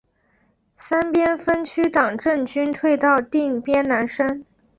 三边分区党政军退到定边南山。